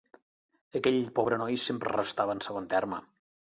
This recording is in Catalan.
Aquell pobre noi sempre restava en segon terme.